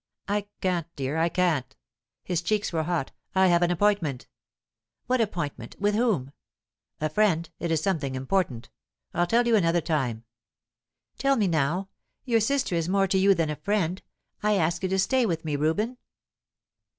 "I can't dear; I can't." His cheeks were hot. "I have an appointment." "What appointment? With whom?" "A friend. It is something important. I'll tell you another time." "Tell me now. Your sister is more to you than a friend. I ask you to stay with me, Reuben."